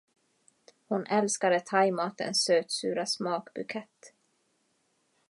Hon älskade thaimatens sötsura smakbukett